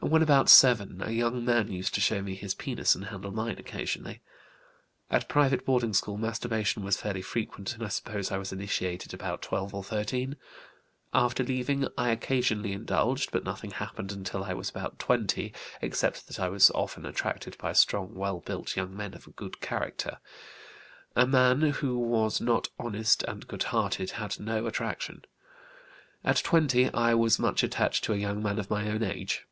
When about 7 a young man used to show me his penis and handle mine occasionally. At private boarding school masturbation was fairly frequent and I suppose I was initiated about 12 or 13. After leaving I occasionally indulged, but nothing happened until I was about 20, except that I was often attracted by strong, well built young men of good character; a man who was not honest and good hearted had no attraction. At 20 I was much attached to a young man of my own age.